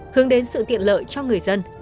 hướng đến sự tiện lợi cho người dân